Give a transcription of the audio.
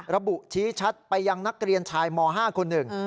ระบุชี้ชัดไปยังนักเรียนชายม๕คนหนึ่ง